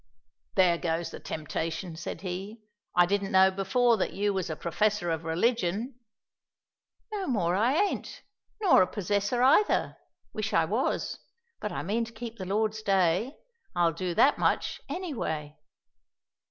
"There goes the temptation," said he. "I didn't know before that you was a professor of religion." "No more I ain't, nor a possessor either; wish I was; but I mean to keep the Lord's day; I'll do that much, any way."